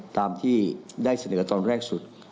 ตามที่ได้เสนอตอนแรกสุด